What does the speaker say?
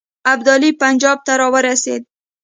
ابدالي پنجاب ته را ورسېد.